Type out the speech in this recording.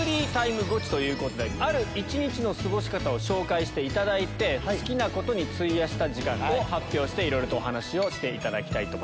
ある一日の過ごし方を紹介していただいて好きなことに費やした時間を発表していろいろとお話をしていただきたい。